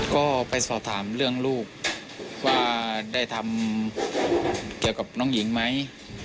ก็ไปสอบถามเรื่องลูกว่าได้ทำเกี่ยวกับน้องหญิงไหม